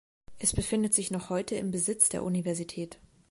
Es befindet sich noch heute im Besitz der Universität.